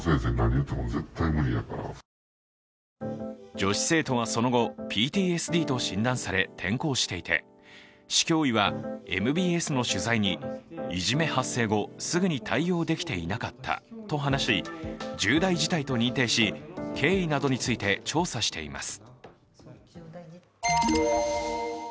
女子生徒はその後、ＰＴＳＤと診断され、転校していて、市教委はＭＢＳの取材に、いじめ発生後、すぐに対応できていなかったと話し重大事態と認定し経緯などについて調査しています。